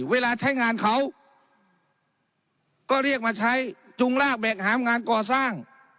เวลาใช้งานเขาก็เรียกมาใช้จุงลากแบ่งหามงานก่อสร้าง